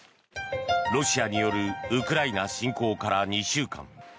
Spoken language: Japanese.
ロシアによるウクライナ侵攻から２週間。